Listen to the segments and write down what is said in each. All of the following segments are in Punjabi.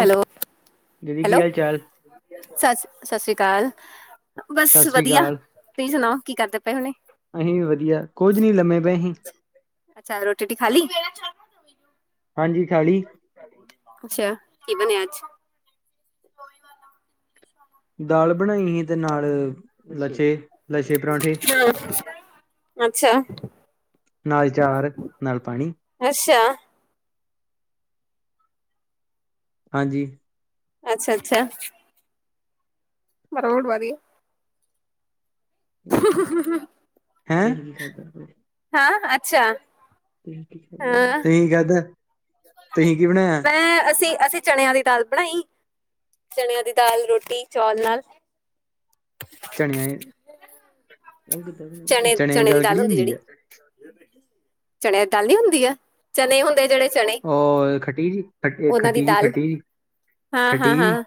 ਹੈਲੋ ਦੀਦੀ ਕੀ -ਹੈਲੋ ਹਾਲ ਚਾਲ ਸਤਿ ਸ਼੍ਰੀ ਅਕਾਲ। ਸਤਿ ਬਸ ਸ੍ਰੀ ਵਧੀਆ ਅਕਾਲ ਤੁਸੀਂ ਸੁਣਾਓ ਕੀ ਕਰਦੇ ਪਏ ਹੁਣੇ। ਅਸੀਂ ਵਧੀਆ ਕੁੱਝ ਨਹੀਂ ਲੰਮੇ ਪਏ ਸੀ। ਅੱਛਾ ਰੋਟੀ ਰੋਟੀ ਖਾਲੀ। ਹਾਂਜੀ, ਖਾਲੀ। ਅੱਛਾ, ਕੀ ਬਣਿਆ ਅੱਜ? ਦਾਲ ਬਣਾਈ ਹੀ, ਤੇ ਨਾਲ ਲੱਛੇ ਲੱਛੇ ਪਰਾਂਠੇ। ਹਾਂ ਅੱਛਾ। ਨਾਲ ਚਾਰ, ਨਾਲ ਪਾਣੀ। ਅੱਛਾ। ਹਾਂਜੀ। ਅੱਛਾ ਅੱਛਾ। ਪਰੋਡਵਾ ਦੀ ਹਅਅ [inaudible] ਹੈਐ। ਹਾਂ, ਅੱਛਾ। ਤੁਹੀ ਕੀ ਹਾਂ ਖਾਦਾ, ਤੁਹੀ ਕੀ ਬਣਾਇਆ? ਐ, ਅਸੀਂ ਅਸੀਂ ਚਣਿਆਂ ਦੀ ਦਾਲ ਬਣਾਈ। ਚਣਿਆਂ ਦੀ ਦਾਲ, ਰੋਟੀ, ਚੌਲ ਨਾਲ। ਝਣਿਆਂ, ਚਣਿਆ ਦੀ ਦਾਲ ਕਿਹੜੀ ਹੁੰਦੀ ਆ? [inaudible] ਚਨਿਆਂ ਦੀ ਦਾਲ ਨੀ ਹੁੰਦੀ ਐ, ਚਣੇ ਹੁੰਦੇ ਜਿਹੜੇ ਚਣੇ। ਓਹੋ-ਖਟੀ- ਉਹਨਾਂ ਦੀ ਖਟੀ- ਦਾਲ ਖਟੀ। ਹਾਂ- ਹਾਂ- ਹਾਂ,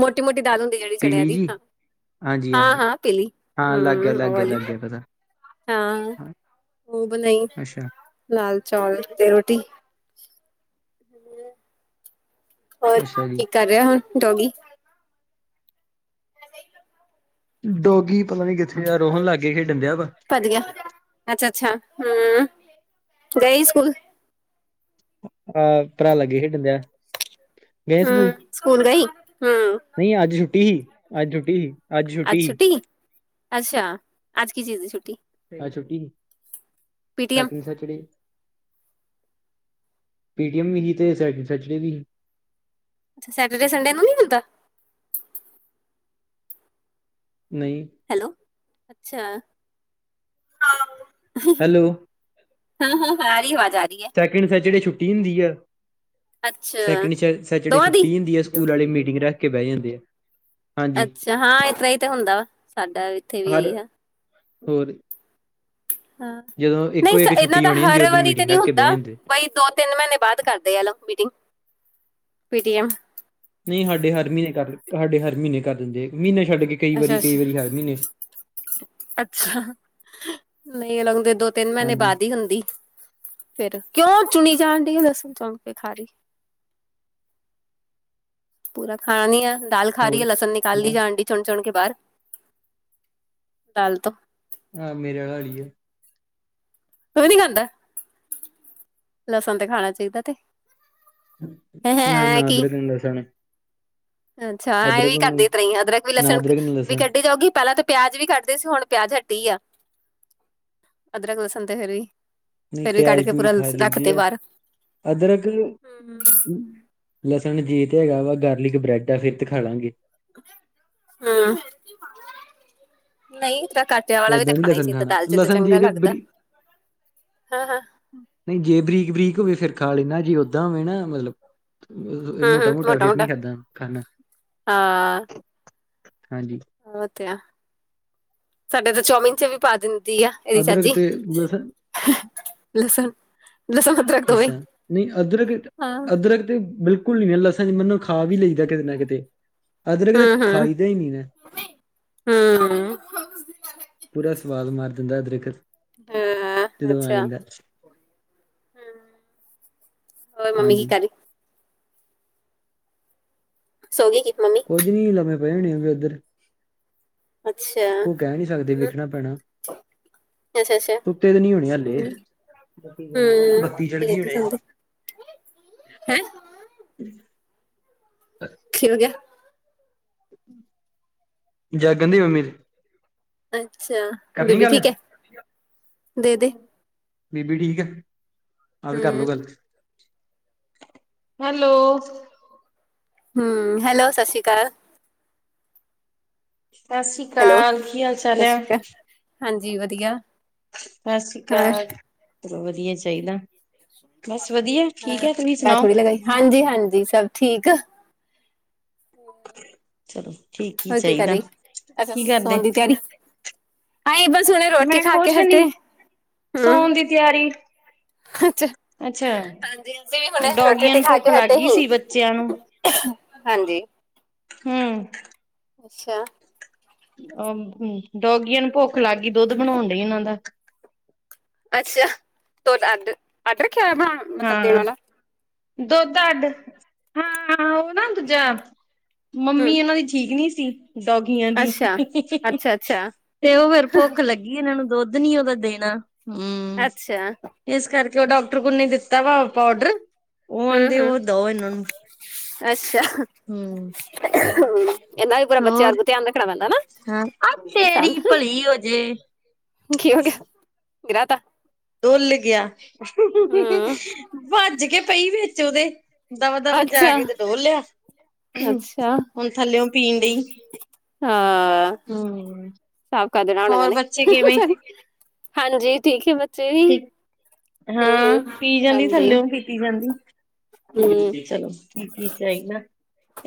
ਮੋਟੀ- ਮੋਟੀ ਦਾਲ ਹੁੰਦੀ ਜਿਹੜੀ ਚਣਿਆ ਪੀਲੀ ਦੀ। ਜੀ ਹਾਂਜੀ ਹਾਂ ਹਾਂਜੀ ਹਾਂ ਪੀਲੀ, ਲੱਗ ਗਿਆ ਹਾਂ ਲੱਗ ਉਹ ਗਿਆ ਵਾਲੀ। ਲੱਗ ਗਿਆ ਪਤਾ ਹਾਂ ਉਹ ਬਣਾਈ, ਅੱਛਾ ਲਾਲ ਚੌਲ ਤੇ ਰੋਟੀ। ਹੋਰ ਅੱਛਾ ਕੀ ਜੀ ਕਰ ਰਿਹਾ, ਹੁਣ ਡੋਗੀ? ਡੋਗੀ ਪਤਾ ਨੀ ਕਿੱਥੇ ਆ, ਰੋਹਣ ਲਾਗੇ ਖੇਡਣ ਡਿਆ ਵਾ। ਭੇਜ ਗਿਆ, ਅੱਛਾ ਅੱਛਾ! ਹੂੰ ਗਈ ਸਕੂਲ ਆਹ ਭਰਾ ਲਾਗੇ ਖੇਡਣ ਡਿਆਂ। ਹੂੰ ਸਕੂਲ ਗਈ, ਹੂੰ। ਨਹੀਂ, ਅੱਜ ਛੁੱਟੀ ਹੀ, ਅੱਜ ਛੁੱਟੀ ਹੀ। ਅੱਜ ਛੁੱਟੀ ਹੀ, ਅੱਛਾ! ਅੱਜ ਕੀ ਚੀਜ਼ ਦੀ ਛੁੱਟੀ? ਅਜ ਛੁੱਟੀ ਹੀ, ਸੈਕਿੰਡ ਸੈਚਡੇ। ਪੇਟੀਐਮ ਵੀ ਹੀ ਤੇ ਸੈਕਿੰਡ ਸੈਚਡੇ ਵੀ ਹੀ। ਅੱਛਾ! ਸੈਟਰਡੇ ਸੰਡੇ ਨੂੰ ਨੀ ਮਿਲਦਾ। ਨਹੀਂ। ਹੈਲੋ, ਅੱਛਾ। ਹੈਲੋ। ਹਾਂ ਹਾਂ ਹ ਆ ਰਈ ਆਵਾਜ਼ ਆ ਰਈ ਐ। ਸੈਕਿੰਡ ਸੈਚਡੇ ਛੁੱਟੀ ਹੁੰਦੀ ਐ, ਅੱਛਾ ਸੈਕਿੰਡ ਸੈਚਡੇ ਦੋਵਾਂ ਦੀ ਛੁੱਟੀ ਹੁੰਦੀ ਐ, ਸਕੂਲ ਸਕੂਲ ਵਾਲੇ ਮੀਟਿੰਗ ਰੱਖ ਕੇ ਬਹਿ ਜਾਂਦੇ ਆ। ਹਾਂਜੀ ਅੱਛਾ ਹਾਂ, ਇ ਤਰ੍ਹਾਂ ਹੀ ਤੇ ਹੁੰਦਾ ਵਾ, ਸਾਡਾ ਇੱਥੇ ਵੀ ਇਹੀ ਆ। ਹੋਰਂ ਹਾਂ, ਇੱਕੋ ਨਹੀਂ ਸਾ ਇੱਕ ਇਹਨਾਂ ਛੁੱਟੀ ਦਾ ਹੋਣੀ ਹੁੰਦੀ ਹਰ ਉਦੋਂ ਵਾਰੀ ਤੇ ਮੀਟਿੰਗ ਨਹੀਂ ਰੱਖ ਕੇ ਹੁੰਦਾ, ਬਹਿ ਜਾਂਦੇ ਬਈ ਦੋ ਤਿੰਨ ਮਹੀਨੇਂ ਬਾਅਦ ਕਰਦੇ ਆ ਲੋ ਮੀਟਿੰਗ, ਪੀਟੀਐਮ। ਨਹੀਂ ਹਾਡੇ ਹਰ ਮਹੀਨੇਂ ਕਰ, ਹਾਡੇ ਹਰ ਮਹੀਨੇ ਕਰ ਦਿੰਦੇ ਐ, ਮਹੀਨੇ ਛੱਡ ਕੇ। ਕਈ ਵਾਰੀ ਅੱਛਾ ਕਈ ਅੱਛਾ ਵਾਰੀ ਹਰ ਮਹੀਨੇ ਅੱਛਾ, ਨਹੀਂ ਇਦੇ ਦੋ ਤਿੰਨ ਮਹੀਨੇ ਹਾਂਜੀ ਬਾਅਦ ਹੀ ਹੁੰਦੀ, ਫੇਰ ਕਿਉਂ ਚੁਣੀ ਜਾਣ ਡਾਈ, ਉਹ ਦੱਸਮ ਚੌਕ ਕੇ ਖਾਰੀ। ਪੂਰਾ ਖਾਣਾ ਨੀ ਆ ਦਾਲ ਖਾ ਰਹੀ ਹੋਰ ਐ, ਲਸਣ ਨਿਕਾਲ ਸੁਣਾਓ ਜਾਣ ਡੀ ਚੁਣ ਚੁਣ ਕੇ ਬਾਹਰ, ਦਾਲ ਤੋਂ। ਹਾਂ ਮੇਰੇ ਵਾਲਾ ਹਾਲ ਈ ਐ। ਤੂੰ ਵੀ ਨੀ ਖਾਂਦਾ? ਲਸਣ ਤੇ ਖਾਣਾ ਚਾਹੀਦਾ ਤੇ। ਮੈਂ ਹੈ ਨਾ ਕੀ ਅਦਰਕ ਨਾ ਲਸਣ। ਅੱਛਾ ਐ ਵੀ ਕਰਦੀ ਤਰੇ ਅਦਰਕ ਵੀ ਲਸਣ, ਨਾ ਵੀ ਲਸਣ ਕੱਢੀ ਜਾਊਗੀ ਪਹਿਲਾਂ ਤਾਂ ਪਿਆਜ ਵੀ ਕੱਢਦੇ ਸੀ ਹੁਣ ਪਿਆਜ ਹਟੀ ਆ, ਅਦਰਕ ਲਸਣ ਤੇ ਫੇਿਰ ਵੀ ਨਹੀਂ ਫੇਰ ਵੀ ਕੱਢ ਕੇ ਪੂਰਾ ਰੱਖ। ਤੇ ਬਾਹਰ ਅਦਰਰਕ। ਹਮ ਲਸਣ ਜੇ ਤੇ ਹੈਗਾ ਵਾ ਗਾਰਲਿਕ ਬ੍ਰੈਡ ਆ, ਫਿਰ ਤੇ ਖਾ ਲਾਂਗੇ। ਹਾਂ, ਨਹੀਂ ਤਰਾ ਕੱਟ। ਦਿਆ ਵਾਲਾ ਵੀ ਤਾਂ ਓਦਾਂ ਨੀ ਖਾਣਾ ਹੀ ਲਸਣ ਸੀ ਦਾਲ ਚ ਤਾਂ ਲਸਣ ਜੇ ਚੰਗਾ ਤੇ ਲੱਗਦਾ, ਬਰੀ ਹਾਂ ਹਾਂ। ਨਹੀਂ ਜੇ ਬਰੀਕ ਬਰੀਕ ਹੋਵੇ ਫੇਿਰ ਖਾ ਲੈਣਾ ਇਹਨਾ, ਜੇ ਓਦਾਂ ਹੋਵੇ ਨਾ ਮਤਲਬ। ਮੋਟਾ ਮੋਟਾ ਫੇਰ ਨਹੀ ਖਾਧਾ ਖਾਣਾ, ਹਾਂ ਹਾਂਜੀ। ਉਹ ਤੇ ਆ, ਸਾਡੇ ਤਾਂ ਚੋਮੀਨ ਚ ਵੀ ਪਾ ਦਿੰਦੇ। ਆ ਇਹਦੀ ਅਦਰਕ ਚਾਚੀ, ਤੇ ਲਸਣ ਲਿਸਨ ਲਿਸਨ। ਅੱਛਾ ਨਹੀਂ ਅਦਰਕ ਅਦਰਕ ਤੇ, ਬਿਲਕੁਲ ਨੀ [unintelligible] [unintelligible] ਖਾ ਵੀ ਲਈਦਾ ਕਿਤੇ ਨਾ ਕਿਤੇ, ਅਦਰਕ ਹੂੰ ਕਿਤੇ ਖਾਈ ਦਾ ਹੀ ਨਹੀਂ ਨਾ। ਹੂੰ ਹੂੰ ਪੂਰਾ ਸਵਾਦ ਮਾਰ ਦਿੰਦਾ ਅਦਰਕ, ਹਾਂ ਜਦੋਂ ਆ ਅੱਛਾ ਜਾਂਦਾ। ਹੋਰ ਮੰਮੀ ਕੀ ਹਾਂਜੀ ਕਰੀ ਸੋ ਗੇ ਕਿ ਮੰਮੀ? ਕੁੱਝ ਨੀ ਲਮੇ ਪਏ ਹੋਣੇ ਉਹ ਵੀ ਉੱਧਰ। ਅੱਛਾ ਕੁ ਕਹਿ ਨਹੀਂ ਸਕਦੇ ਹੂੰ ਵੇਖਣਾ ਪੈਣਾ। ਅੱਛਾ ਅੱਛਾ ਕੁੱਤੇ ਤੇ ਨੀ ਹੋਣੇ ਹਾਲੇ, ਬੱਤੀ ਹੂੰ ਚਲ ਗਈ ਲੇਟੀ ਹੋਣੇ। ਸੌਂਦੇ ਹੈਂ। [unintelligible] ਗਿਆ। ਜਾਗਣ ਦੀ ਮੰਮੀ। ਅੱਛਾ। ਕਰਨੀ ਬੇਬੀ ਗੱਲ, ਠੀਕ ਹੈ ਦੇ ਦੇ ਬੀਬੀ ਠੀਕ ਆ। ਆਾਂ ਵੀ ਕਰਲੋ ਹੂੰ ਗੱਲ, ਹੈਲੋ। ਹੂੰ, ਹੈਲੋ ਸਤਿ ਸ਼੍ਰੀ ਅਕਾਲ। ਸਤਿ ਸ੍ਰੀ ਹੈਲੋ। ਅਕਾਲ, ਕੀ ਹਾਲ ਚਾਲ ਸਤਿ ਆ। ਸ਼੍ਰੀ ਅਕਾਲ ਹਾਂਜੀ ਵਧੀਆ। ਸਤਿ ਸ੍ਰੀ ਹੋਰ ਅਕਾਲ, ਚਲੋ ਵਧੀਆ ਚਾਹੀਦਾ। ਬਸ ਵਧੀਆ ਠੀਕ ਹ ਹੈ ਤੁਸੀਂ ਮੈਂ ਸੁਣਾਓ ਥੋੜੀ ਲਗਾਈ, ਹਾਂਜੀ ਹਾਂਜੀ ਸਭ ਠੀਕ ਐ। ਚਲੋ ਠੀਕ। ਹੀ ਹੋਰ ਕੀ ਕਰ ਚਾਹੀਦਾ ਰਹੀ, ਅੱਛਾ ਕੀ ਕਰਦੇ ਸੋਣ ਦੀ ਤਿਆਰੀ। ਆਏ ਬਸ ਹੁਣੇ ਰੋਟੀ ਮੈਂ ਖਾ ਕੇ ਕੁਛ ਨੀ ਹਟੇ, ਹੂੰ। ਸੌਣ ਦੀ ਤਿਆਰੀ ਅੱਛਾ ਅੱਛਾ ਹਾਂਜੀ ਹਾਂਜੀ, ਵੀ ਹੁਣ ਰੋਟੀ ਡੋਗੀਆਂ ਰੋਟੀ ਨੂੰ ਖਾ ਭੁੱਖ ਕੇ ਲੱਗ ਤੇ ਗਈ ਹੀ। ਸੀ ਬੱਚਿਆਂ ਨੂੰ ਹਾਂਜੀ। ਹੂੰ। ਅੱਛਾ। ਡੋਗੀਆਂ ਨੂੰ ਭੁੱਖ ਲੱਗ ਗਈ ਦੁੱਧ ਬਣਾਉਣ ਡਈ ਇਹਨਾਂ ਦਾ। ਅੱਛਾ ਤਡ, ਅਡ ਰੱਖਿਆ ਹੋਇਆ ਬਣਾ ਮਤਲਬ ਦੇਣ ਹਾਂ ਵਾਲਾ। ਦੁੱਧ ਅੱਡ, ਹਾਂ ਹਾਂ ਉਹ ਨਾ ਦੂਜਾ। ਹਮ ਮੰਮੀ ਇਹਨਾਂ ਦੀ ਠੀਕ ਨਹੀਂ ਸੀ। ਡੋਗੀਆਂ ਦੀ, ਅੱਛਾ ਅੱਛਾ ਅੱਛਾ ਤੇ ਉਹ ਫੇਰ ਭੁੱਖ ਲੱਗੀ। ਇਹਨਾਂ ਨੂੰ ਦੁੱਧ ਨੀ ਉਹਦਾ ਦੇਣਾ, ਹੂੰ ਅੱਛਾ ਇਸ ਕਰਕੇ ਉਹ ਡਾਕਟਰ ਕੋਲ ਨੇ ਦਿੱਤਾ। ਤਵਾ ਪਾਊਡਰ, ਉਹ ਹਮ ਆਹਿੰਦੇ ਹਮ ਉਹ ਦਓ ਇਹਨਾਂ ਨੂੰ। ਅੱਛਾ ਹੂੰ। ਇਹਨਾਂ ਦਾ ਵੀ ਪੂਰਾ ਬੱਚੇ ਹੋਰ ਵਰਗ ਧਿਆਨ ਰੱਖਣਾ ਪੈਂਦਾ ਨਾ ਹਾਂ ਆ ਤੇਰੀ ਇ। ਭਲੀ ਹੋਜੇ [unintelligible] ਡੁਲ ਗਿਆ, ਭੱਜ ਕੇ ਪਈ ਵਿੱਚ ਉਹਦੇ। ਦਵਾ ਦਵ ਜਾ ਕੇ ਤੇ ਡੋਲ ਲਿਆ। ਅੱਛਾ। ਥੱਲਿਓ ਪੀਣ ਡਈ [unintelligible] ਹੂੰ। ਸਾਫ਼ ਕਰ ਦੇਣਾ ਹੁਣ ਇਹਨਾਂ ਹੋਰ ਨੇ, ਬੱਚੇ ਕਿਵੇਂ? ਸਹ ਹਾਂਜੀ ਠੀਕ ਐ, ਮ ਠਕ, ਹਾਂ ਪੀ ਜਾਂਦੀ ਹਾਂਜੀ ਥੱਲਿਓ ਪੀਤੀ ਜਾਂਦੀ। ਹੂੰ-ਹੂੰ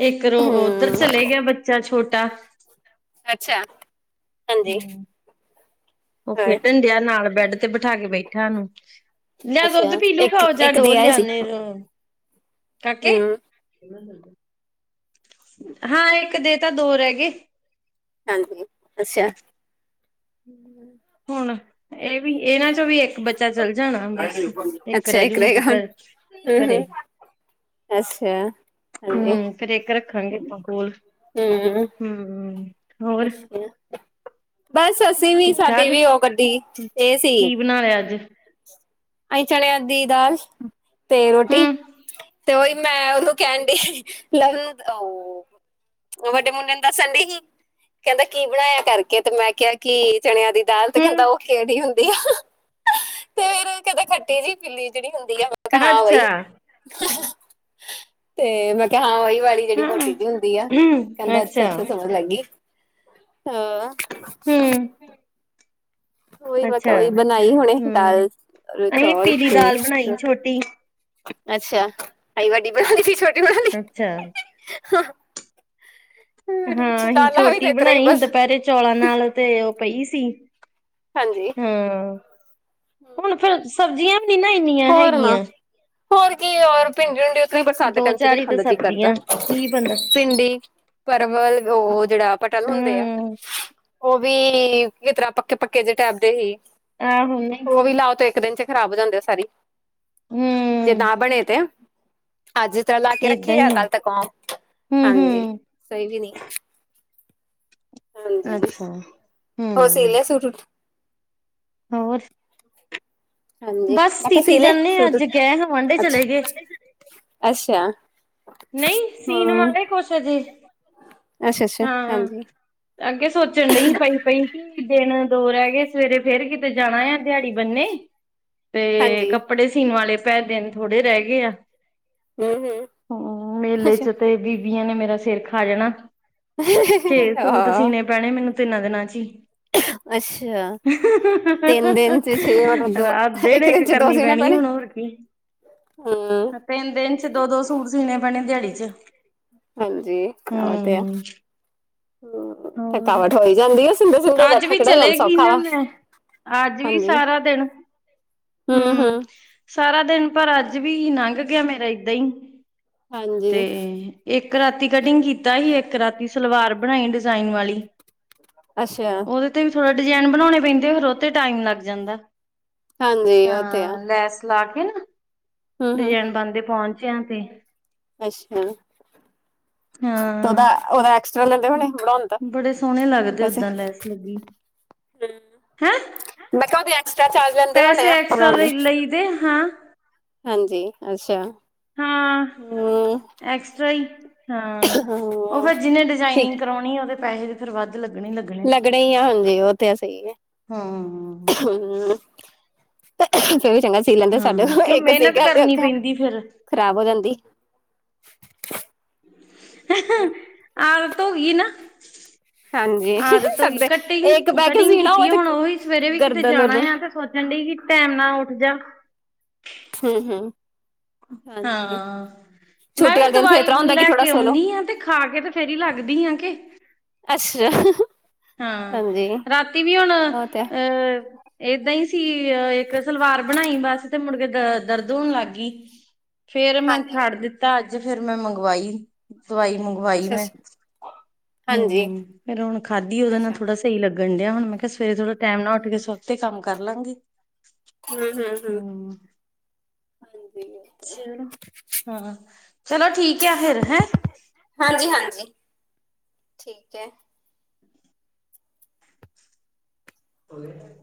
ਇੱਕ ਰੋ ਉੱਧਰ ਚਲੇ ਗਿਆ ਬੱ ਚਲ ਛੋਟਾ। ਅੱਛਾ, ਹਾਂਜੀ। ਉਫ ਹੋਰ ਕੇ ਢੰਡਿਆ ਨਾਲ, ਬੈਡ ਤੇ ਬਿਠਾ ਕੇ ਬੈਠਾ ਉਹਨੂੰ। ਲਿਆ ਅੱਛਾ ਦੁੱਧ ਪੀਲੂ ਗਾ ਓ ਜਾ ਇੱਕ-ਇੱਕ ਦੇ ਡੋਲ ਆਏ ਸੀ ਲਿਆਨੇ ਰੋ ਕਾਕੇ, ਹੂੰ [unintelligible] ਹਾਂ ਇੱਕ ਦੇ ਤਾ ਦੋ ਰਹਿ ਗਏ। ਹਾਂਜੀ, ਅੱਸਾ। ਹੁਣ ਇਹ ਵੀ ਇਹਨਾਂ ਚੋਂ ਵੀ ਇੱਕ ਬੱਚਾ ਚੱਲ ਜਾਣਾ ਹੁਣ ਬਸ, ਇੱਕ ਰਹਿ ਜੂ, ਉਨ ਕੇ ਘਰ ਹੂੰ ਘਰੇ ਹੂੰ, ਅੱਛਾ, ਹਾਂਜੀ। ਫਿਰ ਇੱਕ ਰੱਖਾਂਗੇ ਆਪਾਂ ਕੋੋਲ। ਹੂੰ, ਹੋਰ ਅੱਛਾ। ਬਸ, ਅਸੀਂ ਵੀ ਠੀਕ ਸਾਡੀ ਵੀ ਉ ਗੱਡੀ ਏ ਸੀ। ਨਾ ਅੱਜ। ਅਈ ਚਣਿਆਂ ਦੀ ਦਾਲ, ਤੇ ਰੋਟੀ। ਹਮ ਤੇ ਉਹੀ ਮੈਂ ਉਹਨੂੰ ਕੇਣ ਡੀ, ਲਵਨੋਤ ਓਂ ਓ ਵੱਡੇ ਮੁੰਡੇ ਨੂੰ ਦੱਸਣ ਡਿਹੀ, ਕਹਿੰਦਾ ਕੀ ਬਣਾਇਆ ਕਰਕੇ ਤੇ ਮੈਂ ਕਿਹਾ ਕੀ ਚਣਿਆਂ ਦੀ ਦਾਲ ਤੇ ਕਹਿੰਦਾ ਹਮ ਉਹ ਖੇੜੀ ਹੁੰਦੀ ਆ, ਤੇਰੇ ਕਦੇ ਖੱਟੀ ਜਿਹੀ ਪਿੱਲੀ ਜਿਹੜੀ ਹੁੰਦੀ ਆ। ਮੈਂ ਕਿਹਾ ਹਾਂ ਅੱਛਾ ਵਈ, ਤੇ ਮੈਂ ਕਿਹਾ ਹਾਂ ਵਈ [unintelligible] ਦੀਵਾਲ਼ੀ ਜਿਹੜੀ ਹਾਂ ਹਮ ਮੋਟੀ ਜੀ ਹੁੰਦੀ ਆ, ਕਹਿੰਦਾ ਅੱਛਾ ਅੱਛਾ ਸਮਝ ਲੱਗ ਗਈ। ਹਾ ਹਮ ਉਹੀ, ਮੈਂ ਕਿਹਾ ਅੱਛਾ ਉਹੀ ਬਣਾਈ ਹੁਣੇ ਹਮ ਦਾਲ ਚੌਲ ਤੇ ਰੋਟੀ ਅੱਛਾ ਆਈ ਵੱਡੀ ਬਣ ਛੋ [unintelligible] ਅੱਛਾ। ਹਾਂ ਅਹੀ ਦਾਲਾਂ ਵੀ ਚੋਟੀ ਤੇ ਇਤਰਾ ਹੀ ਬਣਾਈ ਹੁਨ, ਬਸ ਦੁਪਹਿਰੇ ਚੌਲਾਂ ਨਾਲ ਤੇ ਉਹ ਪਈ ਸੀ। ਹਾਂਜੀ, ਹਾਂ ਹੁਣ ਫਿਰ ਸਬਜ਼ੀਆਂ ਵੀ ਨੀ ਨਾ ਇੰਨੀਆਂ ਹੋਰ ਨਾ ਹੈਗੀਆਂ ਹੋਰ ਕੀ ਯਾਰ ਭਿੰਡੀ ਵਿੰਡੀ ਉੱਥੋਂ ਬਰਸਾਤ ਦੇ ਦੋ ਟਾਈਮ ਚ ਨਹੀਂ ਚਾਰ ਹੀ ਖਾਣ ਤੇ ਦਾ ਜੀ ਕਰਦਾ, ਸਬਜ਼ੀਆਂ ਕੀ ਬੰਦਾ ਭਿੰਡੀ ਪਰਵਲ, ਉਹ ਜਿਹੜਾ ਪਟਲ ਹੁੰਦੇ ਆ, ਹਮ ਉਹ ਵੀ ਕਿਸ ਤਰ੍ਹਾਂ ਪ [unintelligible] ਪੱਕੇ ਜੇ ਟੈਪ ਦੇ ਹੀ, ਆਹੋ ਨਹੀਂ ਉਹ ਵੀ ਲਾਓ ਤੇ ਇੱਕ ਦਿਨ ਚ ਖਰਾਬ ਹੋ ਜਾਂਦੇ ਆ ਸਾਰੀ। ਜੇ ਹਮ ਨਾ ਬਣੇ ਤੇ? ਅੱਜ ਤਾ ਲਾ ਕੇ ਏਦਾਂ ਰੱਖੇ ਆ, ਹੀ ਕੱਲ ਤੱਕ ਆਉ, ਹਮ ਹਾਂਜੀ ਹਮ ਸਹੀ ਵੀ ਨੀ। ਅੱਛਾ ਹੋਰ ਸੀ ਹੂੰ ਲਿਆ ਸੂਟ? ਹੋਰ ਹਾਂਜੀ, ਬਸ ਮੈਂ ਕਿਹਾ ਸੀਤੀ ਸੀ ਲੈ ਜਾਂਦੇ ਸੂਟ, ਅੱਜ ਗਏ ਹਾਂ ਵਾਂਢੇ ਅਛਾ ਚਲੇ ਗਏ ਅੱਛਾ। ਨਹੀਂ, ਸੀਨ ਵਾਲੇ ਕੁਛ ਜ਼ੀ। ਅੱਛ ਅੱਛਾ, ਹਾਂਜੀ। ਅੱਗੇ ਸੋਚਣ ਡਹੀ ਪਈ ਪਈ, ਕਿ ਦਿਨ ਦੋ ਰਹਿ ਗਏ, ਸਵੇਰੇ ਫੇਰ ਕਿਤੇ ਜਾਣਾ ਆ ਦਿਹਾੜੀ ਬੰਨੇ। ਤੇ, ਹਾਂਜੀ ਕੱਪੜੇ ਸੀਣ ਵਾਲੇ ਪੈ, ਦਿਨ ਥੋੜੇ ਰਹਿ ਗਏ ਆ। ਹਮ ਹਮ ਹਾ, ਮੇਲੇ ਚ ਤੇ ਬੀਬੀਆਂ ਨੇ ਮੇਰਾ ਸਿਰ ਖਾ ਜਾਣਾ। ਛੇ ਸੂਟ ਹਾਂ ਸੀਣੇ ਪੈਣੇ ਮੈਨੂੰ ਤਿੰਨਾਂ ਦਿਨਾਂ ਚੀ। ਅੱਛਾ ਹੂੰਹੂੰਹੂੰਹੂੰ, ਤਿੰਨ ਦਿਨ ਚ ਛੇ ਮਤਲਬ ਦੋ ਰਾਤ ਦਿਨ ਇੱਕ ਚ ਦੋ ਕਰਨੀ ਸੀਣੇ ਪੈਣੀ ਪੈਣੇ ਹੁਣ ਹੋਰ। ਕੀ, ਹਮ ਏ ਤਿੰਨ ਦਿਨ ਚ ਦੋ ਦੋ ਸੂਟ ਸੀਣੇ ਪੈਣੇ ਦਿਹਾੜੀ ਚ। ਹਾਂਜੀ, ਉਹ ਤੇ ਆ, ਹੂੰ [unintelligible] [inaudible] ਹੂੰ ਹੋਰ ਥਕਾਵਟ ਹੋਈ ਜਾਂਦੀ ਆ ਅੱਜ ਵੀ ਚਲੇਗੀ ਨਾ ਮੈਂ, ਅੱਜ ਵੀ ਸਾਰਾ ਦਿਨ। ਹੂੰ ਹੂੰ ਸਾਰਾ ਦਿਨ ਪਰ ਅੱਜ ਵੀ ਨੰਗ ਗਿਆ ਮੇਰਾ ਏਦਾਂ ਹੀ ਹਾਂਜੀ ਤੇ ਇੱਕ ਰਾਤੀ ਕਟਿੰਗ ਕੀਤਾ ਈ ਇੱਕ ਰਾਤੀ ਸਲਵਾਰ ਬਣਾਈ ਡਿਜ਼ਾਇਨ ਵਾਲੀ। ਅਸ਼ਾ ਉਹਦੇ ਤੇ ਵੀ ਥੋੜ੍ਹਾ ਡਿਜ਼ਾਈਨ ਬਣਾਉਣੇ ਪੈਂਦੇ ਫਿਰ ਓਤੇ ਟਾਈਮ ਲੱਗ ਜਾਂਦਾ। ਹਾਂਜੀ ਉਹ ਤੇ ਆ ਹਾਂ, ਲੈਸ ਲਾ ਕੇ ਨਾ ਹਮ ਹਮ ਡਿਜ਼ਾਇਨ ਬਣਦੇ ਪਹੁੰਚਿਆਂ ਤੇ। ਅੱਛਾ। ਤਾਂ ਹਾਂ ਉਹਦਾ-ਉਹਦਾ ਐਕਸਟਰਾ ਲੈਂਦੇ ਹੁਣੇ, ਬਣਾਉਣ ਦਾ? ਜਿਦਾਂ ਲੈਸ ਲੱਗੀ, ਹੈਂ? ਮੈਂ ਕਿਆ ਉਹਦੇ ਐਕਸਟਰਾ ਚਾਰਜ ਲੈਂਦੇ ਹੋਣੇ ਆ, ਬਣਾਉਣ ਦੇ? ਉਦੇ, ਹਾਂ। ਹਾਂਜੀ, ਅੱਛਾ, ਹਾਂ ਹੂੰ। ਐਕਸਟਰਾ ਈ ਹਾਂ, ਉਹ ਹਮ, ਫੇਰ ਜਿਹਨੇ ਠੀਕ ਡਿਜ਼ਾਇਨਿੰਗ ਕਰਵਾਉਣੀ ਹੈ, ਉਹਦੇ ਪੈਸੇ ਤੇ ਫੇਰ ਵੱਧ ਉਹ ਲੱਗਣੇ-ਲੱਗਣੇ। ਲੱਗਣੇ ਈ ਆ ਹੁੰਦੇ, ਉਹ ਤੇ ਆਹ ਸਈ ਹੈ। ਹਮ ਹੂੰ। ਫੇਰ ਵੀ ਚੰਗਾ ਸੀ, ਲੈਂਦੇ ਸਾਡੇ ਹਾਂ ਕੋਲ ਕਿਉਂ ਇੱਕ ਸੀ ਮਿਹਨਤ ਕੇਂਦੇ ਕਰਨੀ ਉੱਥੇ, ਪੈਂਦੀ ਫਿਰ ਖ਼ਰਾਬ ਹੋ ਜਾਂਦੀ। ਆਦਤ ਹੋਗੀ ਏ ਨਾ? ਹਾਂਜੀ ਆਦਤ ਹੋ ਗਈ, ਸਾਡੇ ਕਟਿਗ, ਇੱਕ ਬਹਿ ਕੇ ਕਟਿੰਗ ਸੀਣਾ ਕੀਤੀ ਏ, ਹੋਵੇ ਤੇ ਹੁਣ ਉਹੀ ਸਵੇਰੇ ਵੀ ਕਿਤੇ ਗਰਦਨ ਜਾਣਾ ਉਰਦਨ ਆ ਤੇ ਸੋ ਕਹਿੰਦੀ ਕਿ ਟੈਮ ਨਾਲ ਉੱਠ ਜਾ। ਹੂੰ-ਹੂੰ। ਹਾਂ। ਮੈਂ ਛੁੱਟੀ ਵੀ ਵਾਲੇ ਦਿਨ ਫੇਰ ਦਵਾਈ ਤਰ੍ਹਾਂ ਹੁੰਦਾ ਕਿ ਲੈ ਥੋੜਾ ਕੇ ਸੋਲੋ ਆਉਣੀ ਆਂ, ਤੇ ਖਾ ਕੇ ਤੇ ਫੇਰ ਈ ਲੱਗਦੀ ਆ ਕੇ। ਅੱਛਾ। ਹਾਂ, ਹਾਂਜੀ ਰਾਤੀ ਵੀ ਹੁਣ ਉਹ ਤੇ ਅਹ ਏਦਾਂ ਈ ਸੀ, ਅਹ ਇੱਕ ਸਲਵਾਰ ਬਣਾਈ ਬਸ, ਤੇ ਮੁੜਕੇ ਦ ਦਰਦ ਹੋਣ ਲੱਗ ਗਈ। ਫੇਰ ਮੈਂ ਹਾਂਜੀ ਛੱਡ ਦਿੱਤਾ ਅੱਜ, ਫੇਰ ਮੈਂ ਮੰਗਵਾਈ, ਦਵਾਈ ਮੰਗ ਵਾਈ ਅੱਛਾ ਮੈਂ, ਅੱਛਾ ਹੂੰ ਹਾਂਜੀ ਫੇਰ ਹੁਣ ਖਾਧੀ, ਉਹਦੇ ਨਾਲ ਅੱਛਾ ਥੋੜਾ ਸਹੀ ਲੱਗਣ ਡਿਆ ਹੁਣ, ਮੈਂ ਕਿਹਾ ਸਵੇਰੇ ਥੋੜਾ ਟਾਈਮ ਨਾ ਉੱਠ ਕੇ, ਸੁਵਖਤੇ ਕੰਮ ਕਰ ਲਾਂਗੀ। ਹੂੰ-ਹੂੰ-ਹੂੰ ਹੂੰ ਹਾਂਜੀ। ਚਲੋ ਹਾਂ, ਚਲੋ ਠੀਕ ਆ ਫਿਰ, ਹੈਂ? ਹਾਂਜੀ-ਹਾਂਜੀ, ਠੀਕ ਹੈ। ਹੋ ਗਿਆ ਟਾਈਮ?